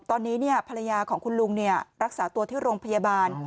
ตอนนี้ภรรยาของคุณลุงรักษาตัวที่โรงพยาบาล